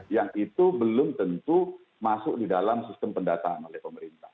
yang itu belum tentu masuk di dalam sistem pendataan oleh pemerintah